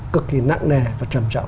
cực kì nặng nề và trầm trọng